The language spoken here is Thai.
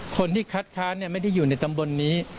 คนที่คัดค้านไม่ได้อยู่ในตำบลนี้